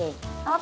iya boleh tante